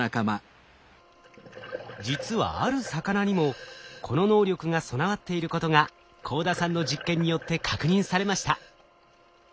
実はある魚にもこの能力が備わっていることが幸田さんの実験によって確認されました。